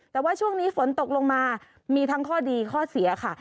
แต่ว่าช่วงนี้ฝนตกลงมามีทั้งข้อดีข้อเสียค่ะ